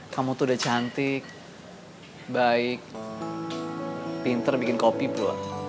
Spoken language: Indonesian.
kamu tuh udah cantik baik pinter bikin kopi pula